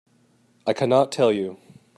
I cannot tell you.